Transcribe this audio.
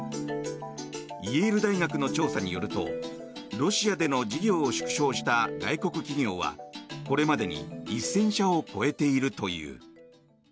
イェール大学の調査によるとロシアでの事業を縮小した外国企業はこれまでに１０００社を超えているという。